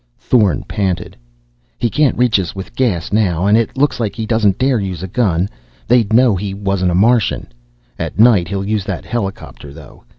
Thorn panted. "He can't reach us with gas, now, and it looks like he doesn't dare use a gun. They'd know he wasn't a Martian. At night he'll use that helicopter, though.